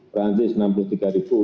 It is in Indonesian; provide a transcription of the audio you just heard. perancis enam puluh tiga ribu